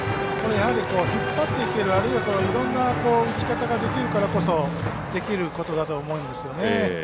やはり、引っ張っていけるあるいは、いろんな打ち方ができるからこそできることだと思うんですよね。